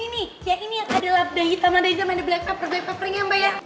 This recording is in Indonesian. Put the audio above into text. ini ini yang ada labda hitam labda hijau black paper black paper ring ya mbak ya